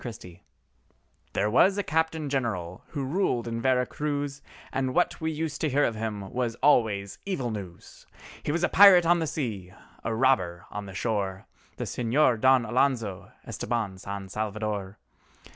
EL CAPITAN GENERAL There was a Captain General who ruled in Vera Cruz, And what we used to hear of him was always evil news; He was a pirate on the sea—a robber on the shore: The Señor Don Alonzo Estabán San Salvador.